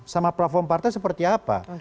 sama platform partai seperti apa